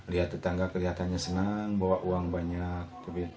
lihat tetangga kelihatannya senang bawa uang banyak